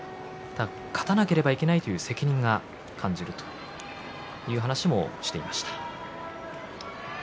勝たなければいけないという責任は感じるという話をしていました。